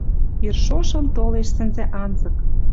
Ир шошым толеш сӹнзӓ анзык.